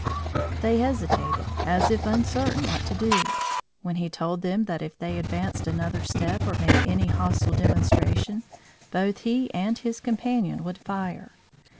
They hesitated, as if uncertain what to do, when he told them that if they advanced another step or made any hostile demonstration, both he and his companion would fire.